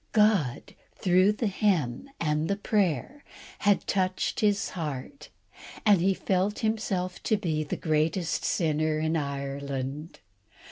God, through the hymn and the prayer, had touched his heart, and he felt himself to be the greatest sinner in Ireland.